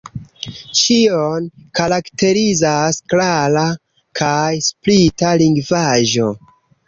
Ĉion karakterizas klara kaj sprita lingvaĵo.